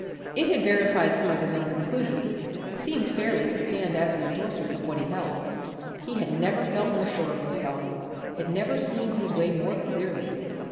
It had verified some of his own conclusions; seemed fairly to stand as an endorsement of what he held. He had never felt more sure of himself, had never seen his way more clearly.